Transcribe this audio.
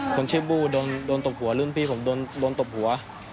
คนชื่อบู้โดนตบหัวรุ่นพี่ผมโดนตบหัว